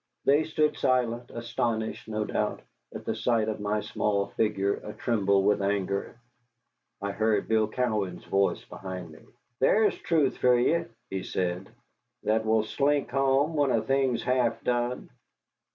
They stood silent, astonished, no doubt, at the sight of my small figure a tremble with anger. I heard Bill Cowan's voice behind me. "There's truth for ye," he said, "that will slink home when a thing's half done."